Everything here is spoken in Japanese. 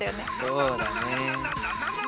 そうだね。